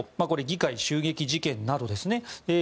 これ、議会襲撃事件などですね。